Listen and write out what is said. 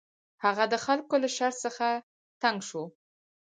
هغه د خلکو له شر څخه تنګ شو.